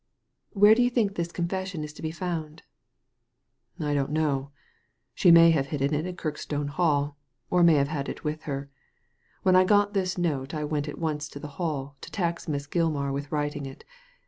*' Where do you think this confession is to be found?" " I don't know. She may have hidden it in Kirk stone Hall, or may have had it with hen When I got this note I went at once to the Hall to tax Miss Gilmar with writing it.